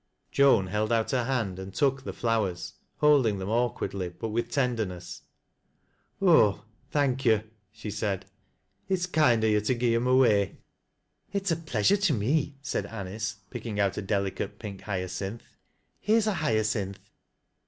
Joan held out her hand, and took the flowers, holding them awkwardly, but with tenderness. " Oh, thank yo'," she said. " It's kind o' yo' to gi' 'em away." " It's a pleasure to me," said Anice, picking out a deli cate pink hyacinth. " Here's a hyacinth."